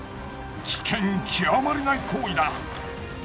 危険極まりない行為だ。